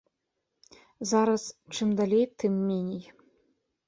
Зараз чым далей, тым меней.